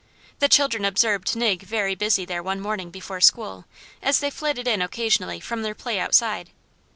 The children observed Nig very busy there one morning before school, as they flitted in occasionally from their play outside.